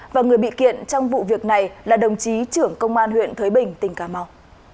và người bị kiện trong vụ việc này là đồng chí trưởng công an huyện thới bình tỉnh cà mau